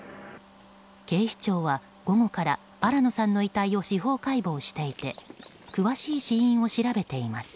警視庁は午後から新野さんの遺体を司法解剖していて詳しい死因を調べています。